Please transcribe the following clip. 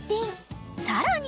［さらに］